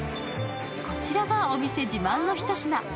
こちらがお店自慢のひと品。